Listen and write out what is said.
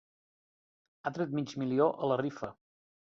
Ha tret mig milió a la rifa.